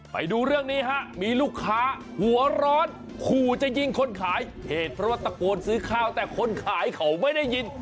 ไปดูเรื่องนี้ฮะมีลูกค้าหัวร้อนขู่จะยิงคนขายเหตุเพราะว่าตะโกนซื้อข้าวแต่คนขายเขาไม่ได้ยิน